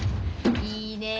いいね